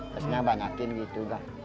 pastinya banyakin gitu kan